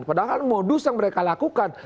produs yang mereka lakukan